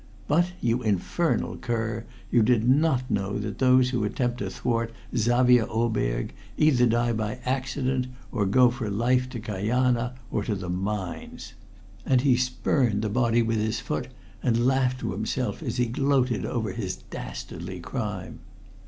But, you infernal cur, you did not know that those who attempt to thwart Xavier Oberg either die by accident or go for life to Kajana or the mines!' And he spurned the body with his foot and laughed to himself as he gloated over his dastardly crime.